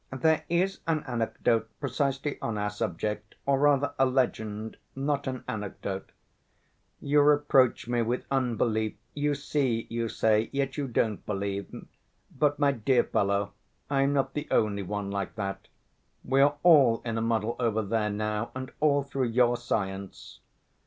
"There is an anecdote precisely on our subject, or rather a legend, not an anecdote. You reproach me with unbelief, you see, you say, yet you don't believe. But, my dear fellow, I am not the only one like that. We are all in a muddle over there now and all through your science.